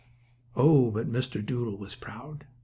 Oh, but Mr. Doodle was proud!